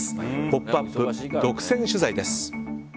「ポップＵＰ！」、独占取材です。